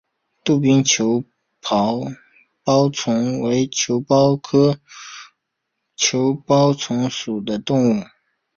杜宾球孢虫为球孢科球孢虫属的动物。